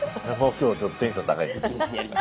今日ちょっとテンション高いんです。